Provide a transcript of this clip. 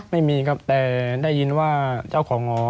ไม่มีครับแต่ได้ยินว่าเจ้าของหอ